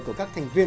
của các thành viên